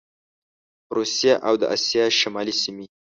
روسیه او د اسیا شمالي سیمي